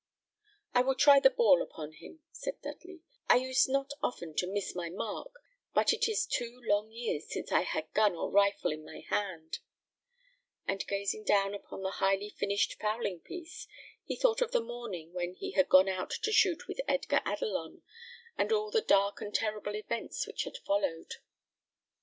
"I will try the ball upon him," said Dudley; "I used not often to miss my mark, but it is two long years since I had gun or rifle in my hand;" and gazing down upon the highly finished fowling piece, he thought of the morning when he had gone out to shoot with Edgar Adelon, and all the dark and terrible events which had followed.